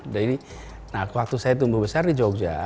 jadi waktu saya tumbuh besar di jogja